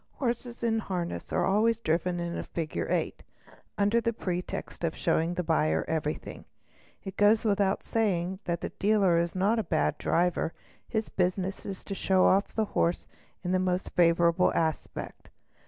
Horses in harness are always driven in a figure of eight, under the pretext of showing the buyer everything ; it goes without saying that the dealer is not a bad driver, his business is to show off the horse in the most favourable aspect.